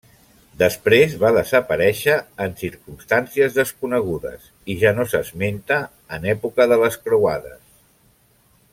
Després va desaparèixer en circumstàncies desconegudes, i ja no s'esmenta en època de les Croades.